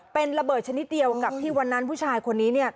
เป็นระเบิดชนิดเดียวกับที่วันนั้นผู้ชายคนนี้